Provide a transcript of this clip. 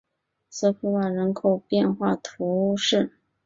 瑟普瓦人口变化图示